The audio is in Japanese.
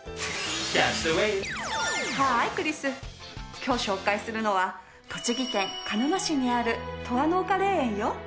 今日紹介するのは栃木県鹿沼市にあるとわの丘霊園よ。